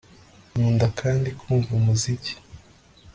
Nkunda kandi kumva umuziki